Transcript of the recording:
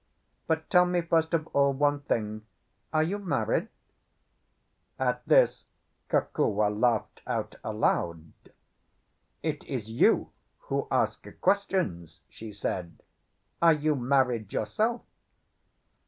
But tell me, first of all, one thing: Are you married?" At this Kokua laughed out aloud. "It is you who ask questions," she said. "Are you married yourself?"